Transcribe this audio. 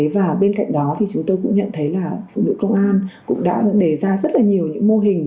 và bên cạnh đó thì chúng tôi cũng nhận thấy là phụ nữ công an cũng đã đề ra rất là nhiều những mô hình